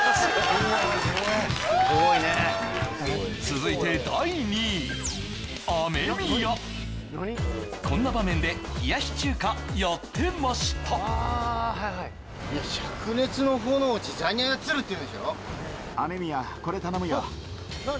続いて第２位こんな場面で冷やし中華やってました何何？